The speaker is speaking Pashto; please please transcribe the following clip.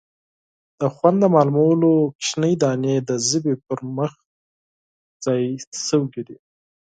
د خوند د معلومولو کوچنۍ دانې د ژبې پر مخ ځای شوي دي.